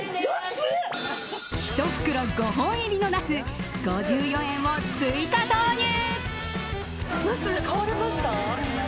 １袋５本入りのナス５４円を追加投入。